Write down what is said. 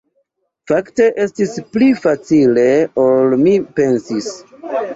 Fakte estis pli facile ol mi pensis.